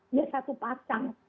dia satu pasang